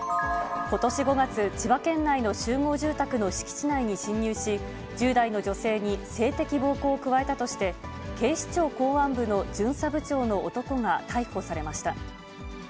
ことし５月、千葉県内の集合住宅の敷地内に侵入し、１０代の女性に性的暴行を加えたとして、警視庁公安部の巡査部長の男が逮捕されました。